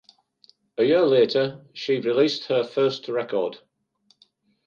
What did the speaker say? A year later she released her first record.